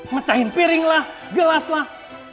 mecahin piring lah gelas lah